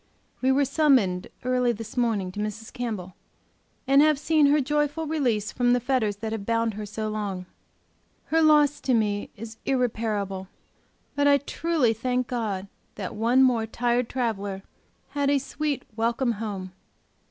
We were summoned early this morning to Mrs. Campbell, and have seen her joyful release from the fetters that have bound her long. Her loss to me is irreparable. But I truly thank God that one more tired traveler had a sweet "welcome home."